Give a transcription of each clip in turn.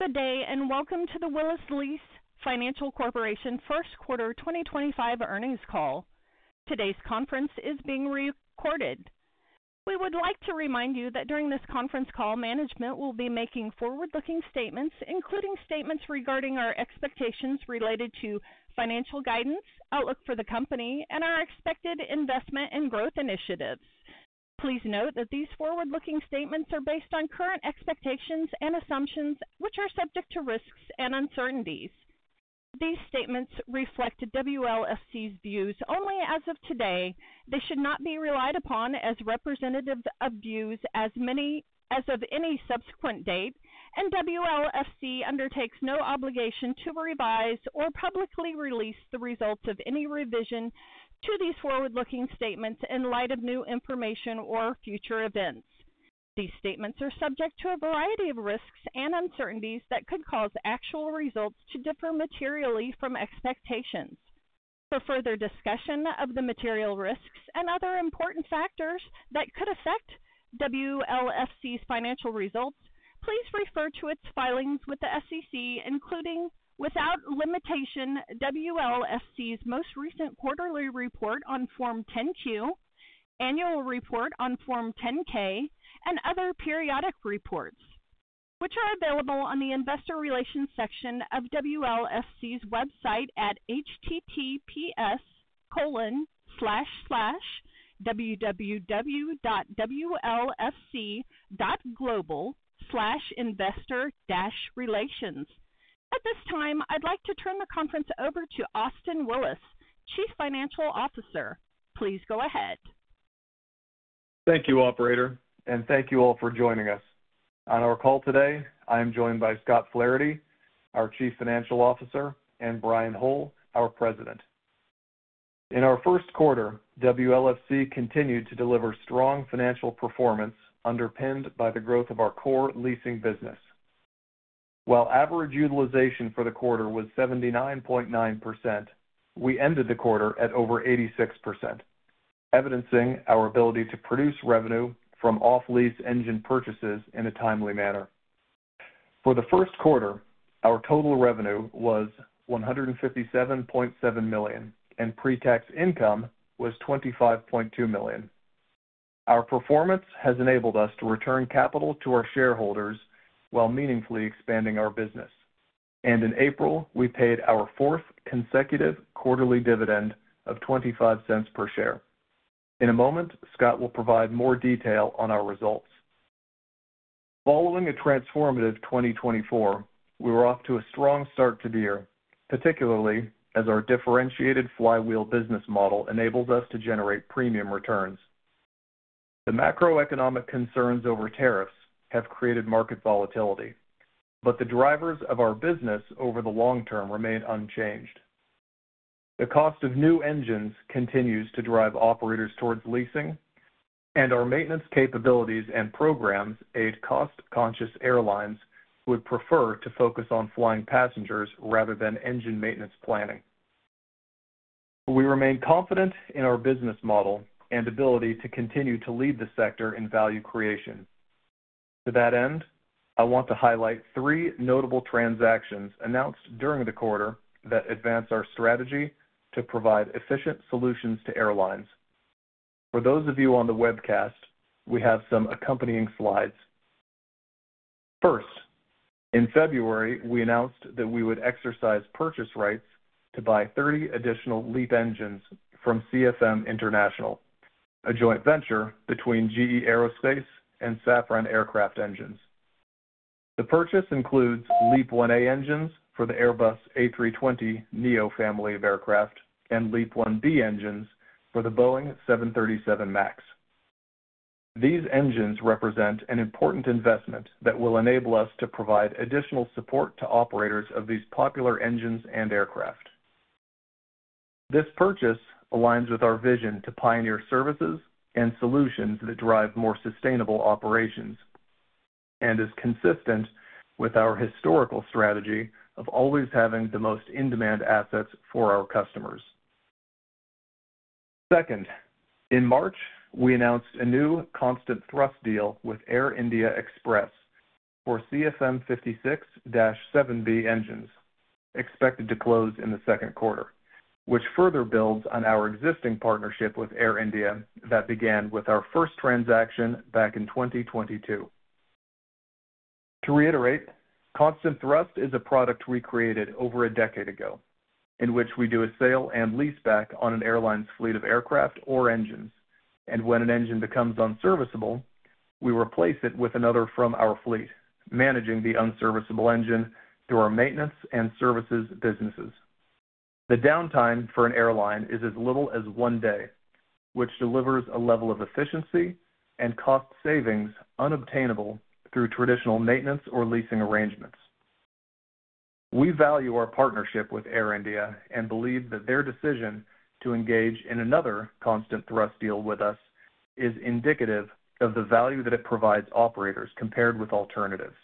Good day, and welcome to the Willis Lease Finance Corporation First Quarter 2025 earnings call. Today's conference is being recorded. We would like to remind you that during this conference call, management will be making forward-looking statements, including statements regarding our expectations related to financial guidance, outlook for the company, and our expected investment and growth initiatives. Please note that these forward-looking statements are based on current expectations and assumptions, which are subject to risks and uncertainties. These statements reflect WLFC's views only as of today. They should not be relied upon as representative views as of any subsequent date, and WLFC undertakes no obligation to revise or publicly release the results of any revision to these forward-looking statements in light of new information or future events. These statements are subject to a variety of risks and uncertainties that could cause actual results to differ materially from expectations. For further discussion of the material risks and other important factors that could affect WLFC's financial results, please refer to its filings with the SEC, including without limitation WLFC's most recent quarterly report on Form 10-Q, annual report on Form 10-K, and other periodic reports, which are available on the investor relations section of WLFC's website at https://www.wlfc.global/investor-relations. At this time, I'd like to turn the conference over to Austin Willis, Chief Financial Officer. Please go ahead. Thank you, Operator, and thank you all for joining us. On our call today, I am joined by Scott Flaherty, our Chief Financial Officer, and Brian Hole, our President. In our first quarter, WLFC continued to deliver strong financial performance underpinned by the growth of our core leasing business. While average utilization for the quarter was 79.9%, we ended the quarter at over 86%, evidencing our ability to produce revenue from off-lease engine purchases in a timely manner. For the first quarter, our total revenue was $157.7 million, and pre-tax income was $25.2 million. Our performance has enabled us to return capital to our shareholders while meaningfully expanding our business, and in April, we paid our fourth consecutive quarterly dividend of $0.25 per share. In a moment, Scott will provide more detail on our results. Following a transformative 2024, we were off to a strong start to the year, particularly as our differentiated flywheel business model enables us to generate premium returns. The macroeconomic concerns over tariffs have created market volatility, but the drivers of our business over the long term remain unchanged. The cost of new engines continues to drive operators towards leasing, and our maintenance capabilities and programs aid cost-conscious airlines who would prefer to focus on flying passengers rather than engine maintenance planning. We remain confident in our business model and ability to continue to lead the sector in value creation. To that end, I want to highlight three notable transactions announced during the quarter that advance our strategy to provide efficient solutions to airlines. For those of you on the webcast, we have some accompanying slides. First, in February, we announced that we would exercise purchase rights to buy 30 additional LEAP engines from CFM International, a joint venture between GE Aerospace and Safran Aircraft Engines. The purchase includes LEAP-1A engines for the Airbus A320neo family of aircraft and LEAP-1B engines for the Boeing 737 MAX. These engines represent an important investment that will enable us to provide additional support to operators of these popular engines and aircraft. This purchase aligns with our vision to pioneer services and solutions that drive more sustainable operations and is consistent with our historical strategy of always having the most in-demand assets for our customers. Second, in March, we announced a new constant thrust deal with Air India Express for CFM56-7B engines, expected to close in the second quarter, which further builds on our existing partnership with Air India that began with our first transaction back in 2022. To reiterate, constant thrust is a product we created over a decade ago in which we do a sale and lease back on an airline's fleet of aircraft or engines, and when an engine becomes unserviceable, we replace it with another from our fleet, managing the unserviceable engine through our maintenance and services businesses. The downtime for an airline is as little as one day, which delivers a level of efficiency and cost savings unobtainable through traditional maintenance or leasing arrangements. We value our partnership with Air India and believe that their decision to engage in another constant thrust deal with us is indicative of the value that it provides operators compared with alternatives.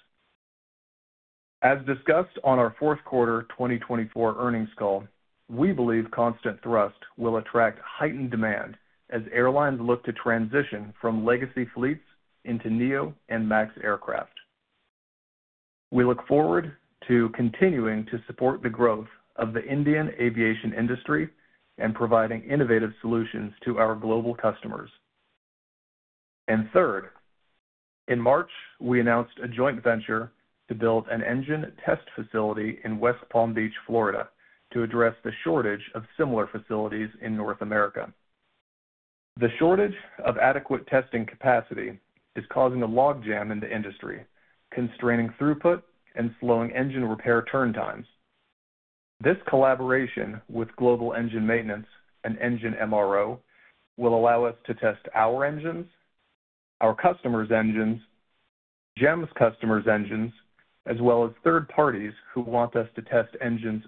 As discussed on our fourth quarter 2024 earnings call, we believe constant thrust will attract heightened demand as airlines look to transition from legacy fleets into neo and max aircraft. We look forward to continuing to support the growth of the Indian aviation industry and providing innovative solutions to our global customers. Third, in March, we announced a joint venture to build an engine test facility in West Palm Beach, Florida, to address the shortage of similar facilities in North America. The shortage of adequate testing capacity is causing a log jam in the industry, constraining throughput and slowing engine repair turn times. This collaboration with Global Engine Maintenance and engine MRO will allow us to test our engines, our customers' engines, GEM's customers' engines, as well as third parties who want us to test engines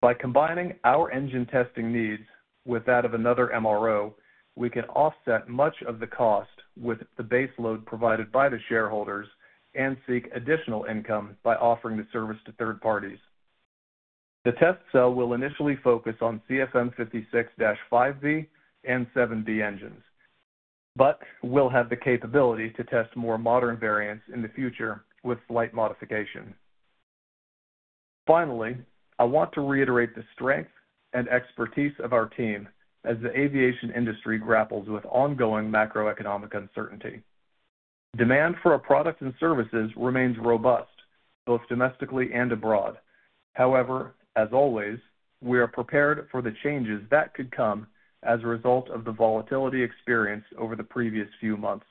for them. By combining our engine testing needs with that of another MRO, we can offset much of the cost with the base load provided by the shareholders and seek additional income by offering the service to third parties. The test cell will initially focus on CFM56-5B and CFM56-7B engines, but we'll have the capability to test more modern variants in the future with flight modification. Finally, I want to reiterate the strength and expertise of our team as the aviation industry grapples with ongoing macroeconomic uncertainty. Demand for our products and services remains robust, both domestically and abroad. However, as always, we are prepared for the changes that could come as a result of the volatility experienced over the previous few months.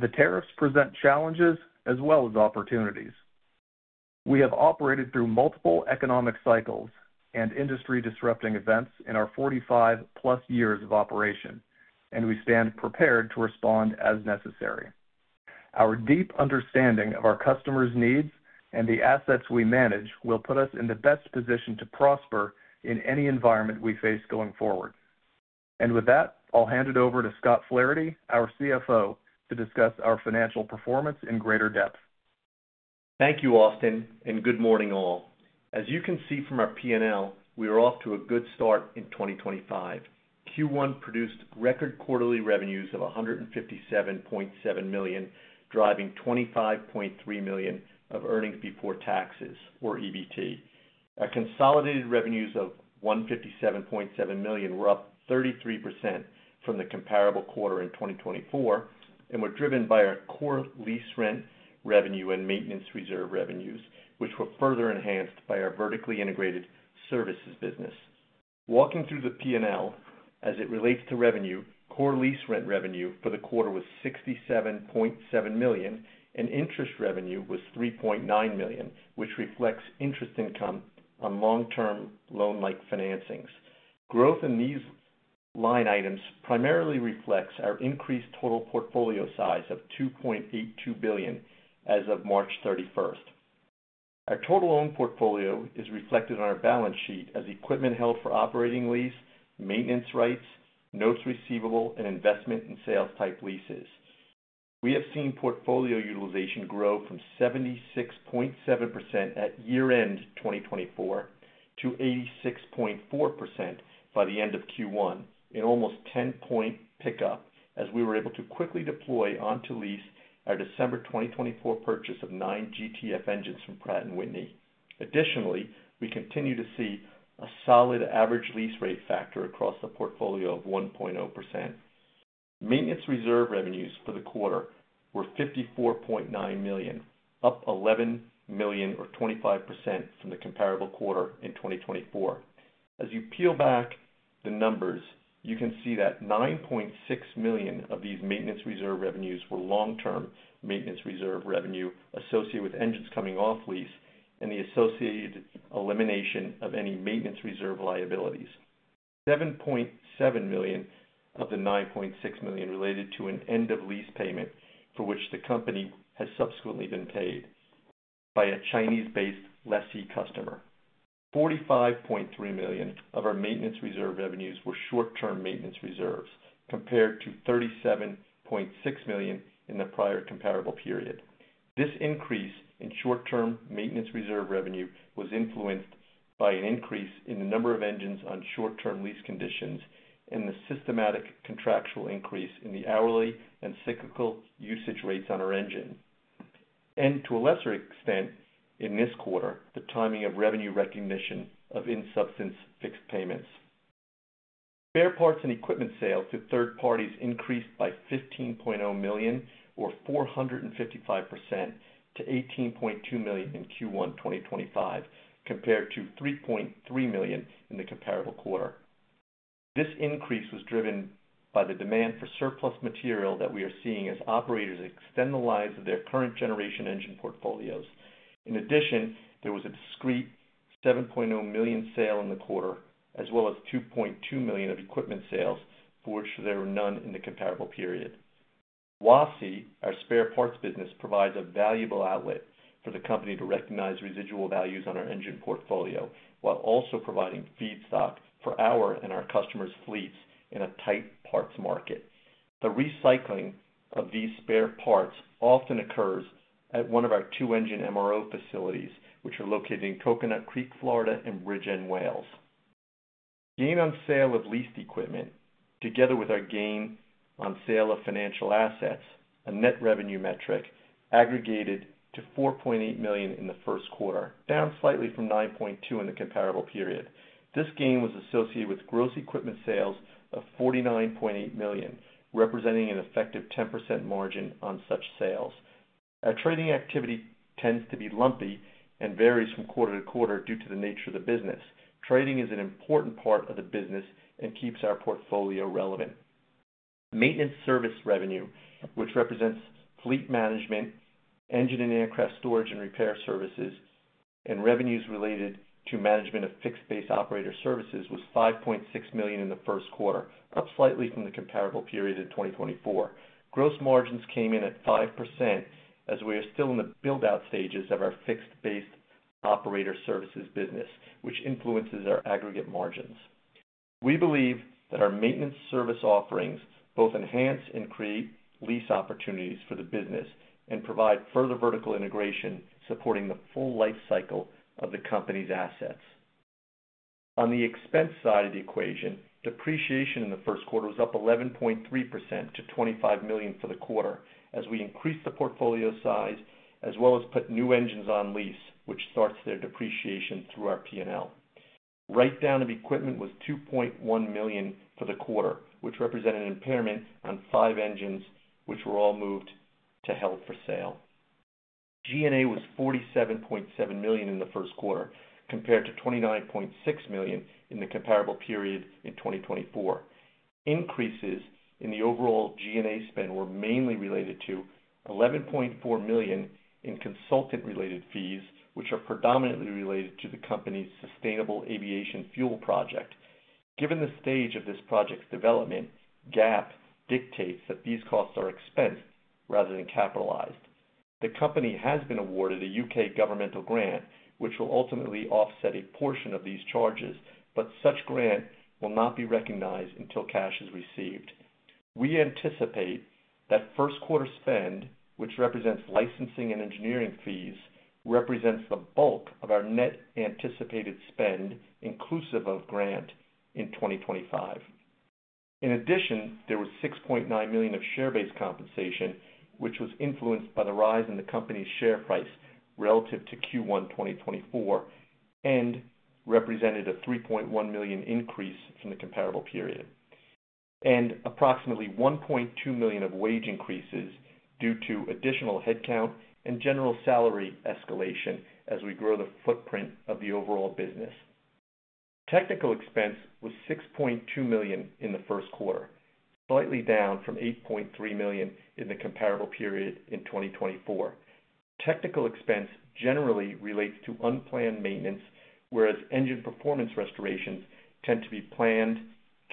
The tariffs present challenges as well as opportunities. We have operated through multiple economic cycles and industry-disrupting events in our 45+ years of operation, and we stand prepared to respond as necessary. Our deep understanding of our customers' needs and the assets we manage will put us in the best position to prosper in any environment we face going forward. I'll hand it over to Scott Flaherty, our CFO, to discuss our financial performance in greater depth. Thank you, Austin, and good morning all. As you can see from our P&L, we are off to a good start in 2025. Q1 produced record quarterly revenues of $157.7 million, driving $25.3 million of earnings before taxes, or EBT. Our consolidated revenues of $157.7 million were up 33% from the comparable quarter in 2024 and were driven by our core lease rent revenue and maintenance reserve revenues, which were further enhanced by our vertically integrated services business. Walking through the P&L, as it relates to revenue, core lease rent revenue for the quarter was $67.7 million, and interest revenue was $3.9 million, which reflects interest income on long-term loan-like financings. Growth in these line items primarily reflects our increased total portfolio size of $2.82 billion as of March 31st. Our total owned portfolio is reflected on our balance sheet as equipment held for operating lease, maintenance rights, notes receivable, and investment and sales-type leases. We have seen portfolio utilization grow from 76.7% at year-end 2024 to 86.4% by the end of Q1, an almost 10-point pickup, as we were able to quickly deploy onto lease our December 2024 purchase of nine GTF engines from Pratt & Whitney. Additionally, we continue to see a solid average lease rate factor across the portfolio of 1.0%. Maintenance reserve revenues for the quarter were $54.9 million, up $11 million, or 25%, from the comparable quarter in 2024. As you peel back the numbers, you can see that $9.6 million of these maintenance reserve revenues were long-term maintenance reserve revenue associated with engines coming off lease and the associated elimination of any maintenance reserve liabilities. $7.7 million of the $9.6 million related to an end-of-lease payment for which the company has subsequently been paid by a Chinese-based lessee customer. $45.3 million of our maintenance reserve revenues were short-term maintenance reserves compared to $37.6 million in the prior comparable period. This increase in short-term maintenance reserve revenue was influenced by an increase in the number of engines on short-term lease conditions and the systematic contractual increase in the hourly and cyclical usage rates on our engine. To a lesser extent, in this quarter, the timing of revenue recognition of in-substance fixed payments also contributed. Spare parts and equipment sales to third parties increased by $15.0 million, or 455%, to $18.2 million in Q1 2025, compared to $3.3 million in the comparable quarter. This increase was driven by the demand for surplus material that we are seeing as operators extend the lines of their current-generation engine portfolios. In addition, there was a discreet $7.0 million sale in the quarter, as well as $2.2 million of equipment sales, for which there were none in the comparable period. WASI, our spare parts business, provides a valuable outlet for the company to recognize residual values on our engine portfolio while also providing feedstock for our and our customers' fleets in a tight parts market. The recycling of these spare parts often occurs at one of our two engine MRO facilities, which are located in Coconut Creek, Florida, and Bridgend, Wales. Gain on sale of leased equipment, together with our gain on sale of financial assets, a net revenue metric, aggregated to $4.8 million in the first quarter, down slightly from $9.2 million in the comparable period. This gain was associated with gross equipment sales of $49.8 million, representing an effective 10% margin on such sales. Our trading activity tends to be lumpy and varies from quarter to quarter due to the nature of the business. Trading is an important part of the business and keeps our portfolio relevant. Maintenance service revenue, which represents fleet management, engine and aircraft storage and repair services, and revenues related to management of fixed-based operator services, was $5.6 million in the first quarter, up slightly from the comparable period in 2024. Gross margins came in at 5% as we are still in the build-out stages of our fixed-based operator services business, which influences our aggregate margins. We believe that our maintenance service offerings both enhance and create lease opportunities for the business and provide further vertical integration supporting the full life cycle of the company's assets. On the expense side of the equation, depreciation in the first quarter was up 11.3% to $25 million for the quarter as we increased the portfolio size as well as put new engines on lease, which starts their depreciation through our P&L. Write-down of equipment was $2.1 million for the quarter, which represented an impairment on five engines, which were all moved to held for sale. G&A was $47.7 million in the first quarter, compared to $29.6 million in the comparable period in 2024. Increases in the overall G&A spend were mainly related to $11.4 million in consultant-related fees, which are predominantly related to the company's sustainable aviation fuel project. Given the stage of this project's development, GAAP dictates that these costs are expensed rather than capitalized. The company has been awarded a U.K. governmental grant, which will ultimately offset a portion of these charges, but such grant will not be recognized until cash is received. We anticipate that first-quarter spend, which represents licensing and engineering fees, represents the bulk of our net anticipated spend, inclusive of grant, in 2025. In addition, there was $6.9 million of share-based compensation, which was influenced by the rise in the company's share price relative to Q1 2024 and represented a $3.1 million increase from the comparable period, and approximately $1.2 million of wage increases due to additional headcount and general salary escalation as we grow the footprint of the overall business. Technical expense was $6.2 million in the first quarter, slightly down from $8.3 million in the comparable period in 2024. Technical expense generally relates to unplanned maintenance, whereas engine performance restorations tend to be planned,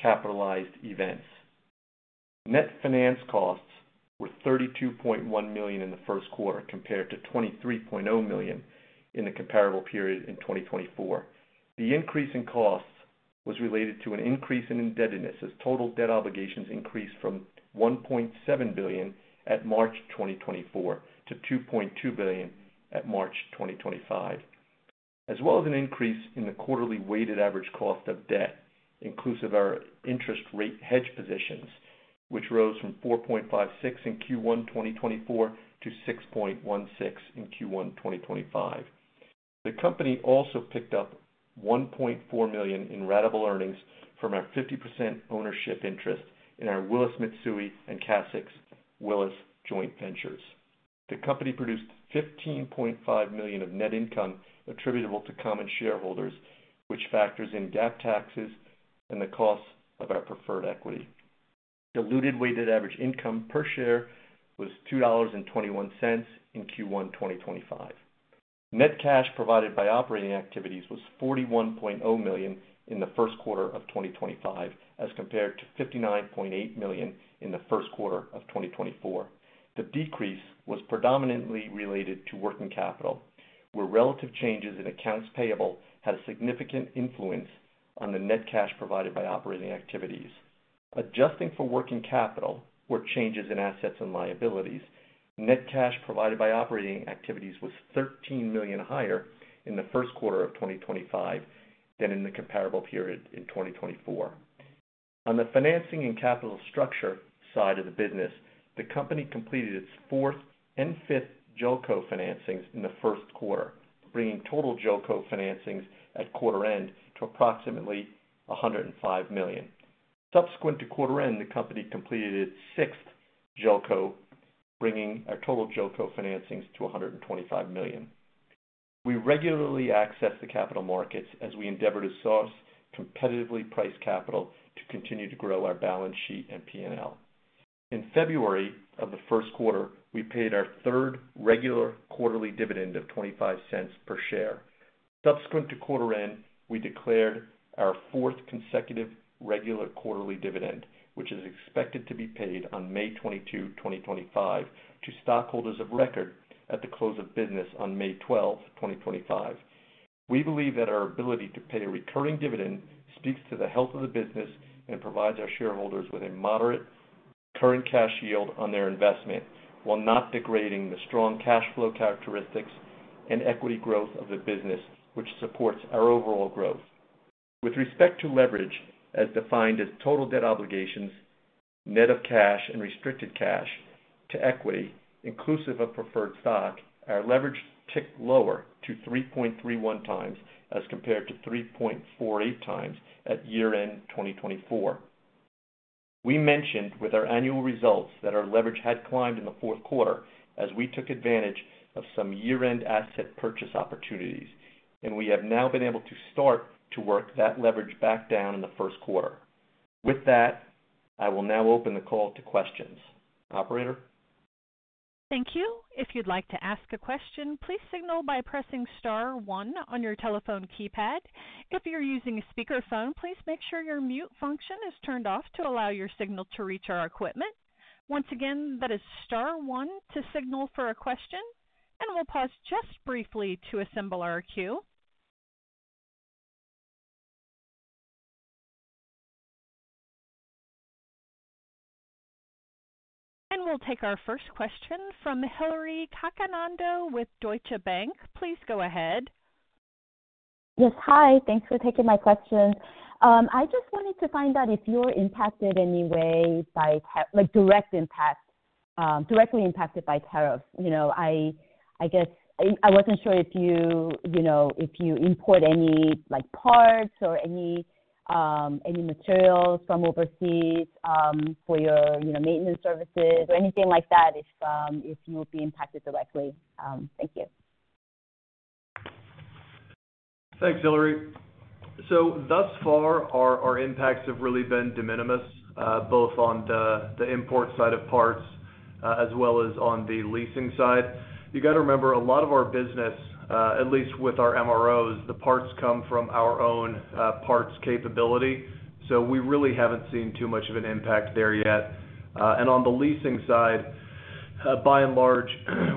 capitalized events. Net finance costs were $32.1 million in the first quarter, compared to $23.0 million in the comparable period in 2024. The increase in costs was related to an increase in indebtedness as total debt obligations increased from $1.7 billion at March 2024 to $2.2 billion at March 2025, as well as an increase in the quarterly weighted average cost of debt, inclusive of our interest rate hedge positions, which rose from $4.56 in Q1 2024 to $6.16 in Q1 2025. The company also picked up $1.4 million in ratable earnings from our 50% ownership interest in our Willis Mitsui and CASIC's Willis Joint Ventures. The company produced $15.5 million of net income attributable to common shareholders, which factors in GAAP taxes and the costs of our preferred equity. Diluted weighted average income per share was $2.21 in Q1 2025. Net cash provided by operating activities was $41.0 million in the first quarter of 2025, as compared to $59.8 million in the first quarter of 2024. The decrease was predominantly related to working capital, where relative changes in accounts payable had a significant influence on the net cash provided by operating activities. Adjusting for working capital, or changes in assets and liabilities, net cash provided by operating activities was $13 million higher in the first quarter of 2025 than in the comparable period in 2024. On the financing and capital structure side of the business, the company completed its fourth and fifth JOCO financings in the first quarter, bringing total JOCO financings at quarter-end to approximately $105 million. Subsequent to quarter-end, the company completed its sixth JOCO, bringing our total JOCO financings to $125 million. We regularly access the capital markets as we endeavor to source competitively priced capital to continue to grow our balance sheet and P&L. In February of the first quarter, we paid our third regular quarterly dividend of $0.25 per share. Subsequent to quarter-end, we declared our fourth consecutive regular quarterly dividend, which is expected to be paid on May 22, 2025, to stockholders of record at the close of business on May 12th, 2025. We believe that our ability to pay a recurring dividend speaks to the health of the business and provides our shareholders with a moderate current cash yield on their investment while not degrading the strong cash flow characteristics and equity growth of the business, which supports our overall growth. With respect to leverage, as defined as total debt obligations, net of cash and restricted cash to equity, inclusive of preferred stock, our leverage ticked lower to 3.31 times as compared to 3.48 times at year-end 2024. We mentioned with our annual results that our leverage had climbed in the fourth quarter as we took advantage of some year-end asset purchase opportunities, and we have now been able to start to work that leverage back down in the first quarter. With that, I will now open the call to questions. Operator? Thank you. If you'd like to ask a question, please signal by pressing star one on your telephone keypad. If you're using a speakerphone, please make sure your mute function is turned off to allow your signal to reach our equipment. Once again, that is star one to signal for a question, and we'll pause just briefly to assemble our queue. We'll take our first question from Hilary Kakanando with Deutsche Bank. Please go ahead. Yes, hi. Thanks for taking my question. I just wanted to find out if you're impacted in any way, directly impacted by tariffs. I guess I wasn't sure if you import any parts or any materials from overseas for your maintenance services or anything like that, if you'll be impacted directly. Thank you. Thanks, Hilary. Thus far, our impacts have really been de minimis, both on the import side of parts as well as on the leasing side. You got to remember, a lot of our business, at least with our MROs, the parts come from our own parts capability. We really have not seen too much of an impact there yet. On the leasing side, by and large,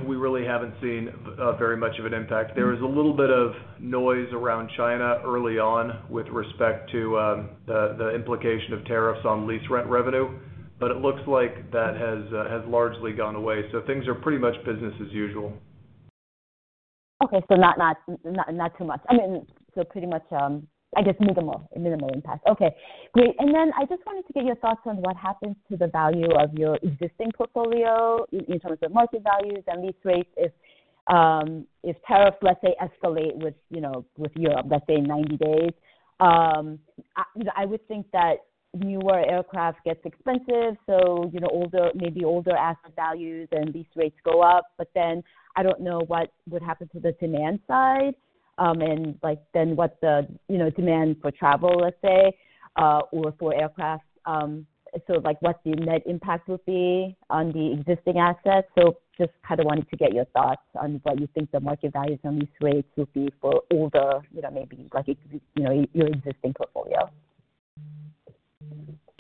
we really have not seen very much of an impact. There was a little bit of noise around China early on with respect to the implication of tariffs on lease rent revenue, but it looks like that has largely gone away. Things are pretty much business as usual. Okay. So not too much. I mean, so pretty much, I guess, minimal impact. Okay. Great. I just wanted to get your thoughts on what happens to the value of your existing portfolio in terms of market values and lease rates. If tariffs, let's say, escalate with Europe, let's say, in 90 days, I would think that newer aircraft get expensive. Maybe older asset values and lease rates go up. I do not know what would happen to the demand side and then what the demand for travel, let's say, or for aircraft. What the net impact would be on the existing assets. I just kind of wanted to get your thoughts on what you think the market values and lease rates will be for older, maybe your existing portfolio.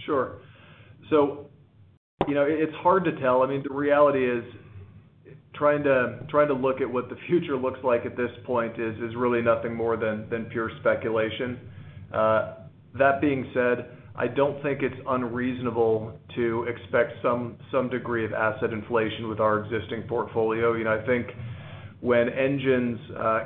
Sure. It is hard to tell. I mean, the reality is trying to look at what the future looks like at this point is really nothing more than pure speculation. That being said, I do not think it is unreasonable to expect some degree of asset inflation with our existing portfolio. I think when engines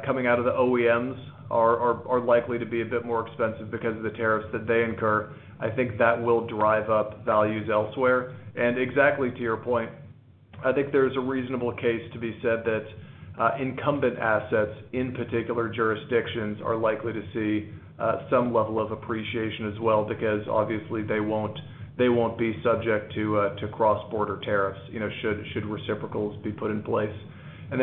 coming out of the OEMs are likely to be a bit more expensive because of the tariffs that they incur, I think that will drive up values elsewhere. Exactly to your point, I think there is a reasonable case to be said that incumbent assets, in particular jurisdictions, are likely to see some level of appreciation as well because, obviously, they will not be subject to cross-border tariffs should reciprocals be put in place. I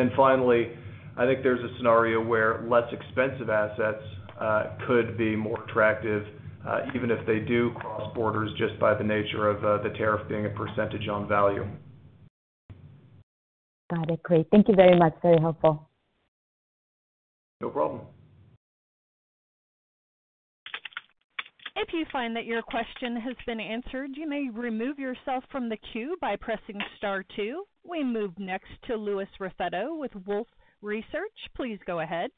think there's a scenario where less expensive assets could be more attractive, even if they do cross borders just by the nature of the tariff being a percentage on value. Got it. Great. Thank you very much. Very helpful. No problem. If you find that your question has been answered, you may remove yourself from the queue by pressing star two. We move next to Louis Raffetto with Wolfe Research. Please go ahead.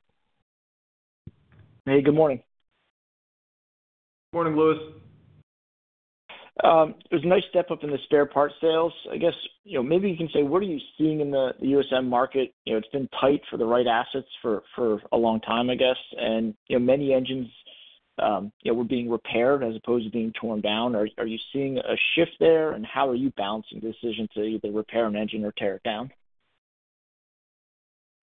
Hey, good morning. Morning, Louis. There's a nice step up in the spare part sales. I guess maybe you can say, what are you seeing in the USM market? It's been tight for the right assets for a long time, I guess. And many engines were being repaired as opposed to being torn down. Are you seeing a shift there? And how are you balancing the decision to either repair an engine or tear it down? Yeah. A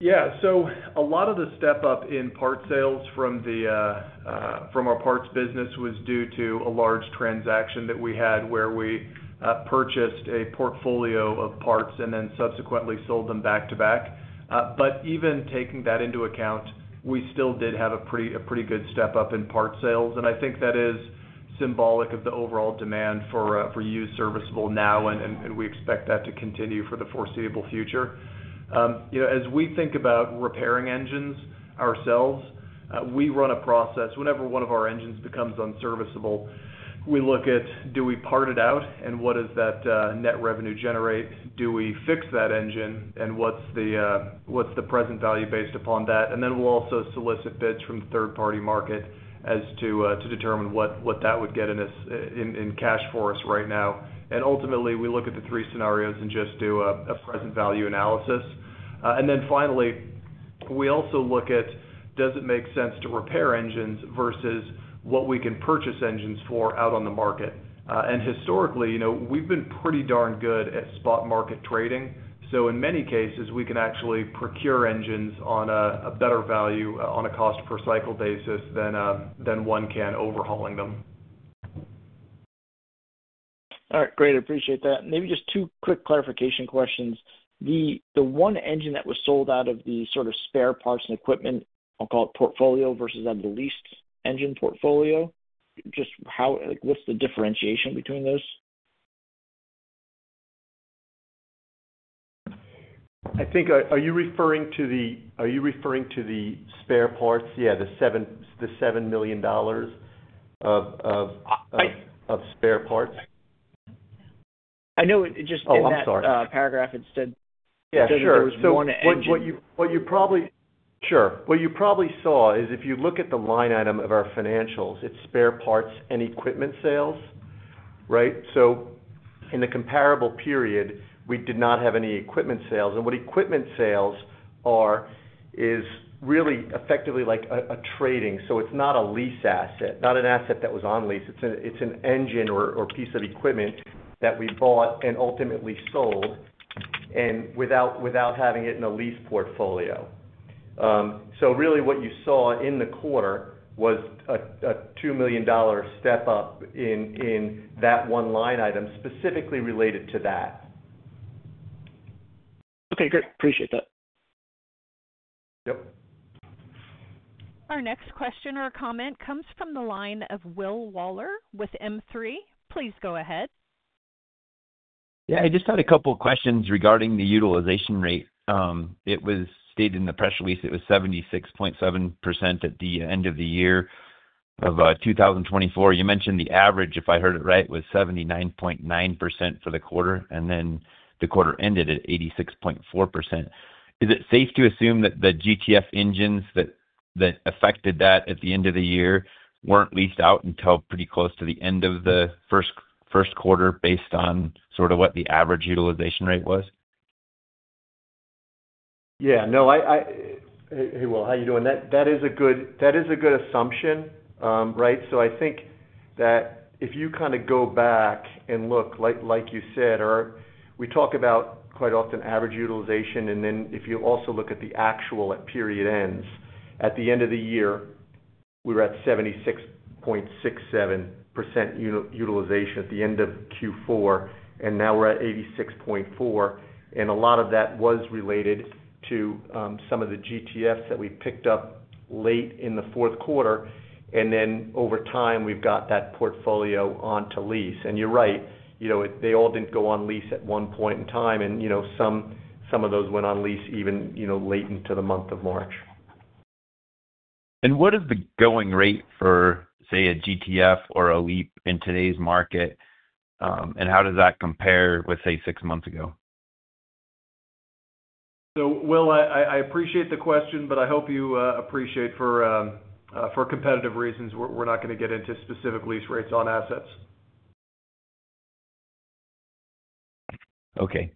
lot of the step up in part sales from our parts business was due to a large transaction that we had where we purchased a portfolio of parts and then subsequently sold them back to back. Even taking that into account, we still did have a pretty good step up in part sales. I think that is symbolic of the overall demand for used serviceable now, and we expect that to continue for the foreseeable future. As we think about repairing engines ourselves, we run a process. Whenever one of our engines becomes unserviceable, we look at, do we part it out, and what does that net revenue generate? Do we fix that engine, and what is the present value based upon that? We will also solicit bids from the third-party market as to determine what that would get in cash for us right now. Ultimately, we look at the three scenarios and just do a present value analysis. Finally, we also look at, does it make sense to repair engines versus what we can purchase engines for out on the market? Historically, we've been pretty darn good at spot market trading. In many cases, we can actually procure engines on a better value on a cost-per-cycle basis than one can overhauling them. All right. Great. I appreciate that. Maybe just two quick clarification questions. The one engine that was sold out of the sort of spare parts and equipment, I'll call it portfolio versus the leased engine portfolio, just what's the differentiation between those? I think, are you referring to the spare parts? Yeah, the $7 million of spare parts? I know just in that paragraph, it said. Yeah, sure. What you probably saw is if you look at the line item of our financials, it's spare parts and equipment sales, right? In the comparable period, we did not have any equipment sales. What equipment sales are is really effectively like a trading. It is not a lease asset, not an asset that was on lease. It is an engine or piece of equipment that we bought and ultimately sold without having it in a lease portfolio. Really what you saw in the quarter was a $2 million step up in that one line item specifically related to that. Okay. Great. Appreciate that. Yep. Our next question or comment comes from the line of Will Waller with M3. Please go ahead. Yeah. I just had a couple of questions regarding the utilization rate. It was stated in the press release it was 76.7% at the end of the year of 2024. You mentioned the average, if I heard it right, was 79.9% for the quarter, and then the quarter ended at 86.4%. Is it safe to assume that the GTF engines that affected that at the end of the year were not leased out until pretty close to the end of the first quarter based on sort of what the average utilization rate was? Yeah. No, hey, Will, how are you doing? That is a good assumption, right? I think that if you kind of go back and look, like you said, we talk about quite often average utilization, and then if you also look at the actual at period ends, at the end of the year, we were at 76.67% utilization at the end of Q4, and now we are at 86.4%. A lot of that was related to some of the GTFs that we picked up late in the fourth quarter. Over time, we have got that portfolio on to lease. You are right, they all did not go on lease at one point in time, and some of those went on lease even late into the month of March. What is the going rate for, say, a GTF or a LEAP in today's market, and how does that compare with, say, six months ago? Will, I appreciate the question, but I hope you appreciate for competitive reasons, we're not going to get into specific lease rates on assets. Okay.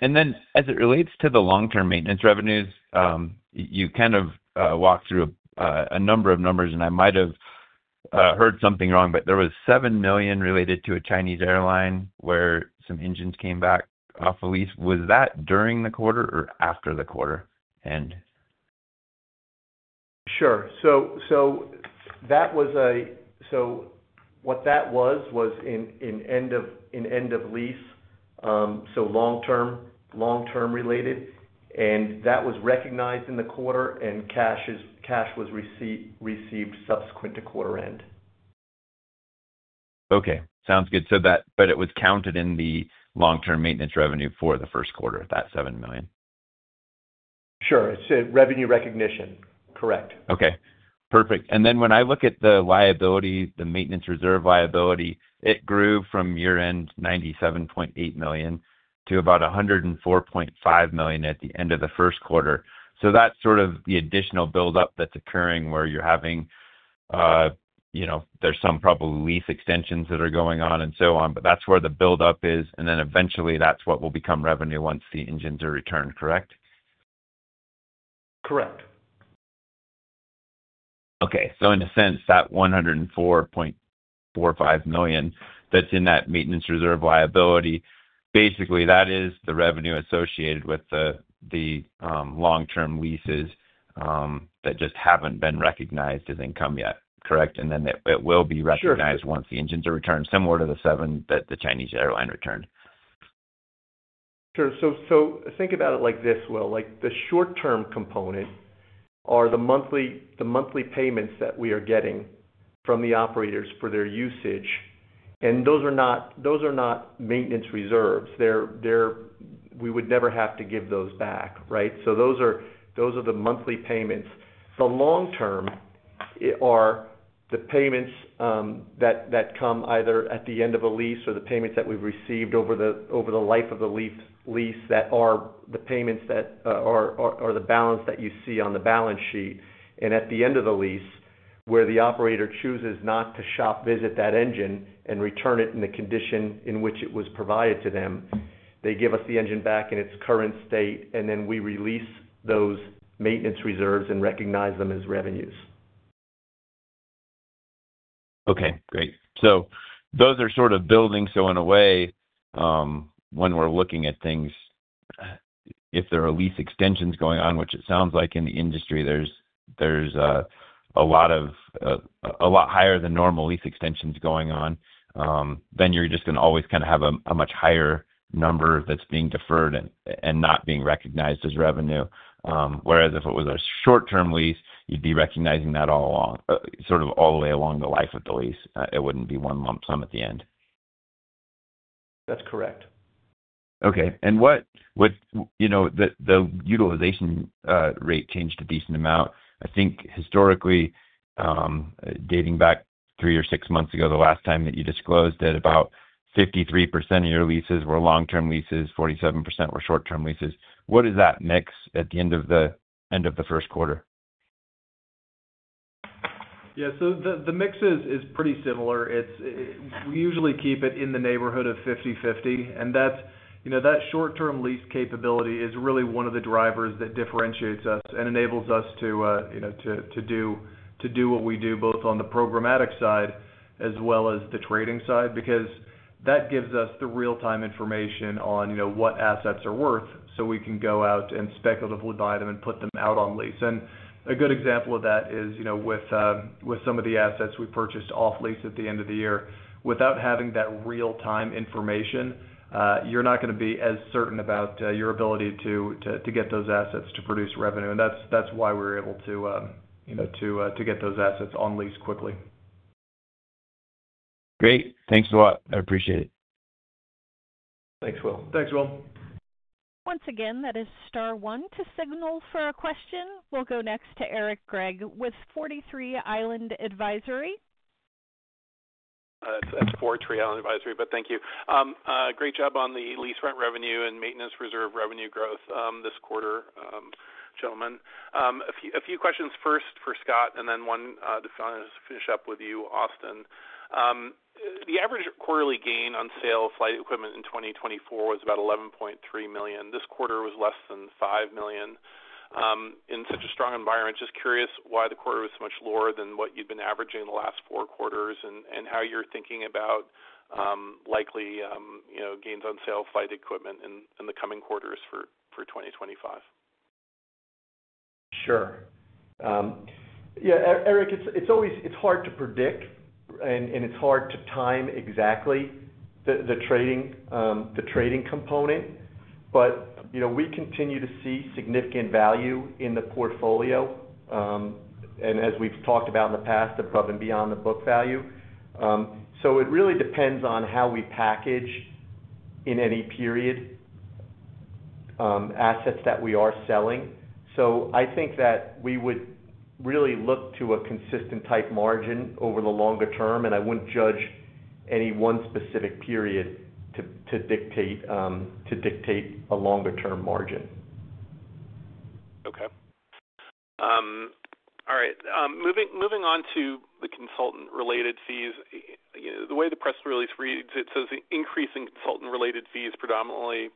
And then as it relates to the long-term maintenance revenues, you kind of walked through a number of numbers, and I might have heard something wrong, but there was $7 million related to a Chinese airline where some engines came back off a lease. Was that during the quarter or after the quarter? Sure. So that was a, so what that was was in end-of-lease, so long-term related, and that was recognized in the quarter, and cash was received subsequent to quarter end. Okay. Sounds good. But it was counted in the long-term maintenance revenue for the first quarter, that $7 million? Sure. It's revenue recognition. Correct. Okay. Perfect. When I look at the liability, the maintenance reserve liability, it grew from year-end $97.8 million to about $104.5 million at the end of the first quarter. That is sort of the additional buildup that is occurring where you are having, there are some probably lease extensions that are going on and so on, but that is where the buildup is. Eventually, that is what will become revenue once the engines are returned. Correct? Correct. Okay. So in a sense, that $104.45 million that's in that maintenance reserve liability, basically, that is the revenue associated with the long-term leases that just haven't been recognized as income yet. Correct? It will be recognized once the engines are returned, similar to the seven that the Chinese airline returned. Sure. Think about it like this, Will. The short-term component are the monthly payments that we are getting from the operators for their usage. Those are not maintenance reserves. We would never have to give those back, right? Those are the monthly payments. The long-term are the payments that come either at the end of a lease or the payments that we have received over the life of the lease that are the payments that are the balance that you see on the balance sheet. At the end of the lease, where the operator chooses not to shop visit that engine and return it in the condition in which it was provided to them, they give us the engine back in its current state, and then we release those maintenance reserves and recognize them as revenues. Okay. Great. Those are sort of building, so in a way, when we're looking at things, if there are lease extensions going on, which it sounds like in the industry, there's a lot higher than normal lease extensions going on, then you're just going to always kind of have a much higher number that's being deferred and not being recognized as revenue. Whereas if it was a short-term lease, you'd be recognizing that all along, sort of all the way along the life of the lease. It wouldn't be one lump sum at the end. That's correct. Okay. What the utilization rate changed a decent amount. I think historically, dating back three or six months ago, the last time that you disclosed that about 53% of your leases were long-term leases, 47% were short-term leases. What is that mix at the end of the first quarter? Yeah. The mix is pretty similar. We usually keep it in the neighborhood of 50/50. That short-term lease capability is really one of the drivers that differentiates us and enables us to do what we do both on the programmatic side as well as the trading side because that gives us the real-time information on what assets are worth so we can go out and speculatively buy them and put them out on lease. A good example of that is with some of the assets we purchased off lease at the end of the year. Without having that real-time information, you're not going to be as certain about your ability to get those assets to produce revenue. That's why we're able to get those assets on lease quickly. Great. Thanks a lot. I appreciate it. Thanks, Will. Once again, that is star one to signal for a question. We'll go next to Eric Gregg with 43 Island Advisory. That's 43 Island Advisory, but thank you. Great job on the lease rent revenue and maintenance reserve revenue growth this quarter, gentlemen. A few questions, first for Scott and then one to finish up with you, Austin. The average quarterly gain on sale of flight equipment in 2024 was about $11.3 million. This quarter was less than $5 million. In such a strong environment, just curious why the quarter was so much lower than what you'd been averaging the last four quarters and how you're thinking about likely gains on sale of flight equipment in the coming quarters for 2025. Sure. Yeah. Eric, it's hard to predict, and it's hard to time exactly the trading component. We continue to see significant value in the portfolio. As we've talked about in the past, above and beyond the book value. It really depends on how we package in any period assets that we are selling. I think that we would really look to a consistent type margin over the longer term, and I wouldn't judge any one specific period to dictate a longer-term margin. Okay. All right. Moving on to the consultant-related fees. The way the press release reads, it says increase in consultant-related fees predominantly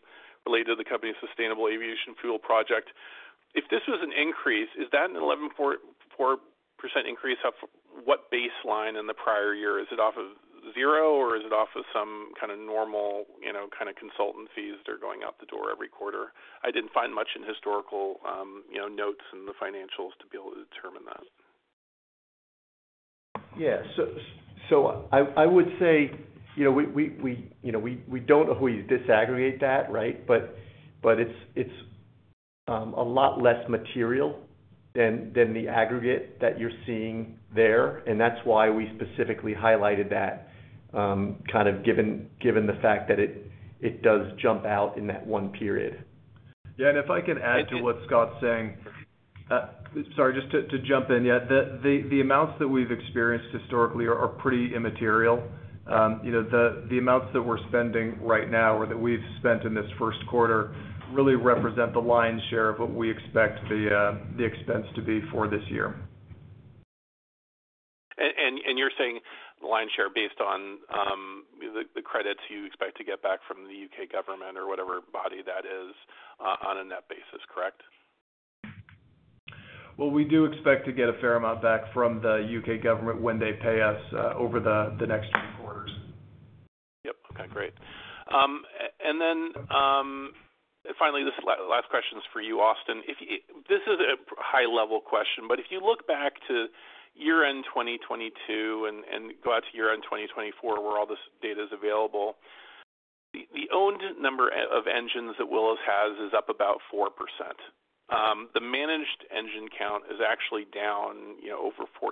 related to the company's sustainable aviation fuel project. If this was an increase, is that an 11.4% increase off of what baseline in the prior year? Is it off of zero, or is it off of some kind of normal kind of consultant fees that are going out the door every quarter? I did not find much in historical notes in the financials to be able to determine that. Yeah. I would say we do not always disaggregate that, right? It is a lot less material than the aggregate that you are seeing there. That is why we specifically highlighted that, kind of given the fact that it does jump out in that one period. Yeah. If I can add to what Scott is saying, sorry, just to jump in. Yeah. The amounts that we have experienced historically are pretty immaterial. The amounts that we are spending right now or that we have spent in this first quarter really represent the lion's share of what we expect the expense to be for this year. You're saying the lion's share based on the credits you expect to get back from the U.K. government or whatever body that is on a net basis. Correct? We do expect to get a fair amount back from the U.K. government when they pay us over the next three quarters. Yep. Okay. Great. Finally, this last question is for you, Austin. This is a high-level question, but if you look back to year-end 2022 and go out to year-end 2024, where all this data is available, the owned number of engines that Willis has is up about 4%. The managed engine count is actually down over 14%.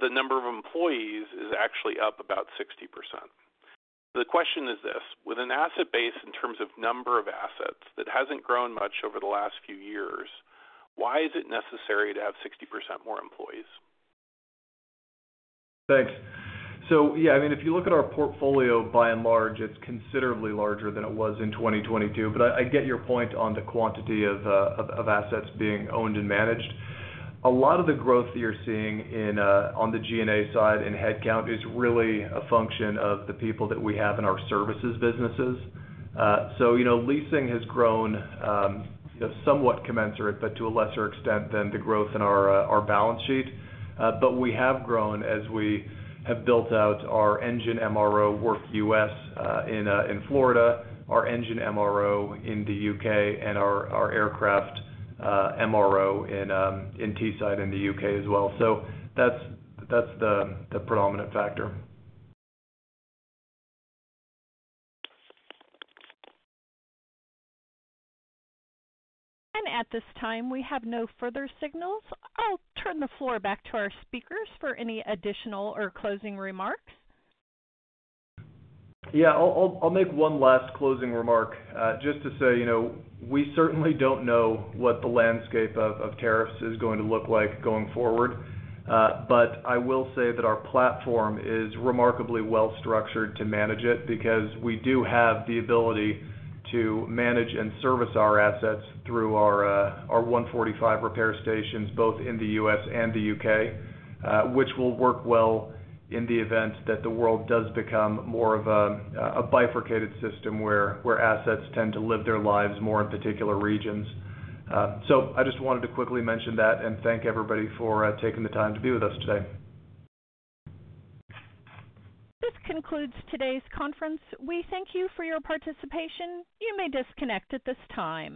The number of employees is actually up about 60%. The question is this: with an asset base in terms of number of assets that has not grown much over the last few years, why is it necessary to have 60% more employees? Thanks. So yeah, I mean, if you look at our portfolio, by and large, it's considerably larger than it was in 2022. But I get your point on the quantity of assets being owned and managed. A lot of the growth that you're seeing on the G&A side in headcount is really a function of the people that we have in our services businesses. So leasing has grown somewhat commensurate, but to a lesser extent than the growth in our balance sheet. But we have grown as we have built out our engine MRO, work U.S. in Florida, our engine MRO in the U.K., and our aircraft MRO in Teesside in the U.K. as well. So that's the predominant factor. At this time, we have no further signals. I'll turn the floor back to our speakers for any additional or closing remarks. Yeah. I'll make one last closing remark just to say we certainly don't know what the landscape of tariffs is going to look like going forward. I will say that our platform is remarkably well-structured to manage it because we do have the ability to manage and service our assets through our 145 repair stations, both in the U.S. and the U.K., which will work well in the event that the world does become more of a bifurcated system where assets tend to live their lives more in particular regions. I just wanted to quickly mention that and thank everybody for taking the time to be with us today. This concludes today's conference. We thank you for your participation. You may disconnect at this time.